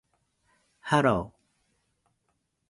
Hello